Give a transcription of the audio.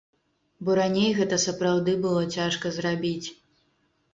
Бо раней гэта сапраўды было цяжка зрабіць.